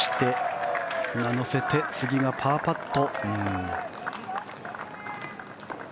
出して、乗せて次がパーパット。